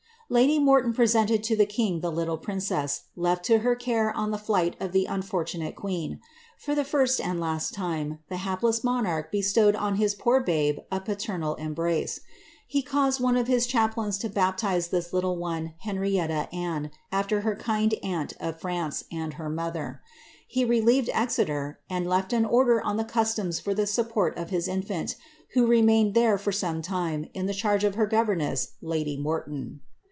Lady Morton presented to the king the little princess, left to her ears on the flight of the unfortunate queen. For the first and last time, the hapless monarch bestowed on his poor babe a paternal embrace. He caused one of his chaplains to baptize tliis little one Henrietta Anne, after her kind aunt of France, and her mother. He relieved Exeler, and left an order on the customs for the support of his infiint, who remained there for some time in the charge of her governess, lady Morton.